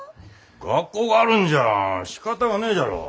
学校があるんじゃしかたがねえじゃろ。